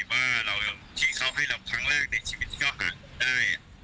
ว่าที่เขาให้เราครั้งแรกในชีวิตที่เขาหาได้